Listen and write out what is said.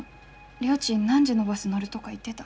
りょーちん何時のバス乗るとか言ってた？